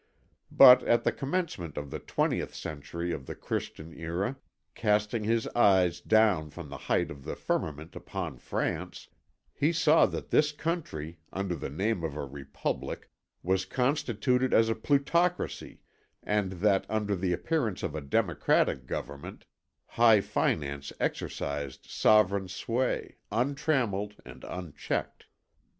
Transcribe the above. But at the commencement of the twentieth century of the Christian era, casting his eyes down from the height of the firmament upon France, he saw that this country, under the name of a Republic, was constituted as a plutocracy and that, under the appearance of a democratic government, high finance exercised sovereign sway, untrammelled and unchecked.